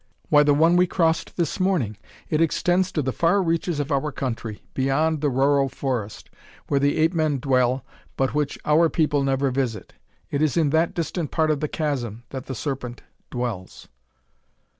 "Why, the one we crossed this morning. It extends to the far reaches of our country, beyond the Rorroh forest, where the ape men dwell but which our people never visit. It is in that distant part of the chasm that the Serpent dwells."